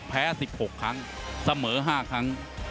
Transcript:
แพ้๑๖ครั้งเสมอ๕ครั้ง